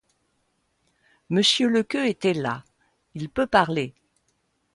Monsieur Lequeu était là, il peut parler...